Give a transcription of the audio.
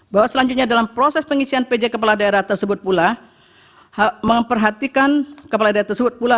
bahwa selanjutnya dalam proses pengisian pj kepala daerah tersebut pula